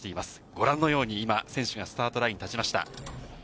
ご覧のように今、選手がスタートラインに立ちました。